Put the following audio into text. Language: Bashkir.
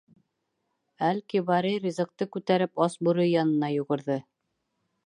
Әл-Кибари ризыҡты күтәреп ас бүре янына йүгерҙе.